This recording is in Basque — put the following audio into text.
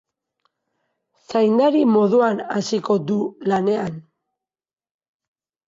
Zaindari moduan hasiko du lanean.